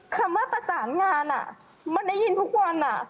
คำว่าประสานงานมันได้ยินทุกวัน